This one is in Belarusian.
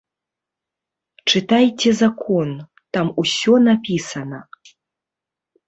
Чытайце закон, там усё напісана.